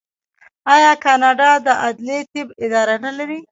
آیا کاناډا د عدلي طب اداره نلري؟